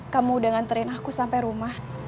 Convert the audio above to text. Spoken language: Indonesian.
kamu udah nganterin aku sampai rumah